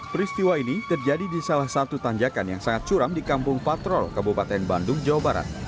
peristiwa ini terjadi di salah satu tanjakan yang sangat curam di kampung patrol kabupaten bandung jawa barat